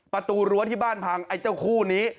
ประตูรั้วที่บ้านพังไอ้เจ้าคู่นี้